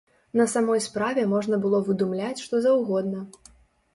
На самой справе можна было выдумляць, што заўгодна.